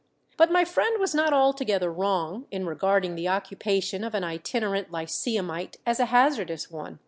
But my friend was not altogether wrong in regarding the occupation of an itinerant lyceumite as a hazardous one.